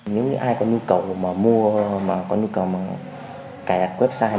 mua mà có nhu cầu mà cài đặt website